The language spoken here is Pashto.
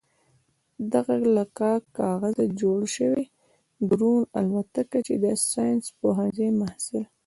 دغه له کاک کاغذه جوړه شوې ډرون الوتکه چې د ساينس پوهنځي محصل